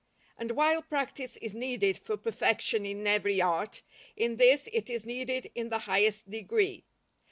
And while practice is needed for perfection in every art, in this it is needed in the highest degree.